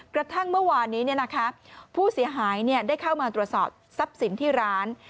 กระทั่งเมื่อวานนี้ผู้เสียหายได้เข้ามาตรวจสอบทรัพย์สินที่ร้าน